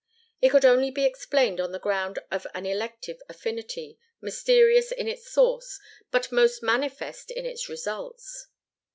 It could only be explained on the ground of an elective affinity, mysterious in its source, but most manifest in its results.